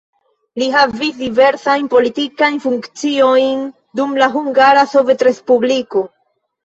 Li havis diversajn politikajn funkciojn dum la Hungara Sovetrespubliko.